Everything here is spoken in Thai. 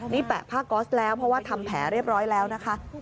นี่แปะผ้าก๊อสแล้วเพราะว่าทำแผลเรียบร้อยแล้วนะคะ